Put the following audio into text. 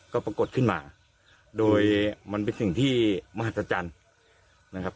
ก็ปรากฏขึ้นมาโดยมันเป็นสิ่งที่มหัศจรรย์นะครับ